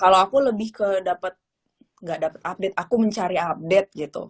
kalau aku lebih ke dapat gak dapat update aku mencari update gitu